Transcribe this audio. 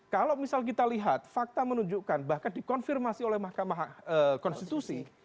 kalau misal kita lihat fakta menunjukkan bahkan dikonfirmasi oleh mahkamah konstitusi